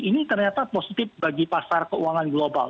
ini ternyata positif bagi pasar keuangan global